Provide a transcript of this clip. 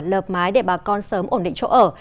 lợp mái để bà con sớm ổn định chỗ ở